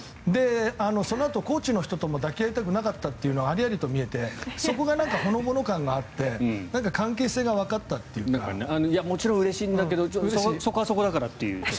そのあとコーチの人とも抱き合いたくなかったというのがありありと見えてそこがほのぼの感があってもちろんうれしいんだけどそこはそこだからという。